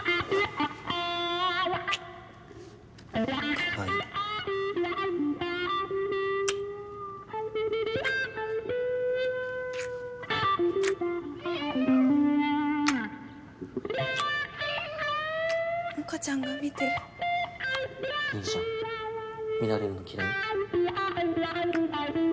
かわいいもかちゃんが見てるいいじゃん見られるの嫌い？